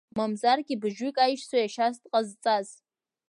Мамзаргьы быжьҩык аишьцәа ешьас дҟазҵаз.